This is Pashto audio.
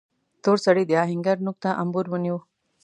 تور سړي د آهنګر نوک ته امبور ونيو.